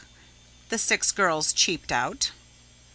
the six girls cheeped out.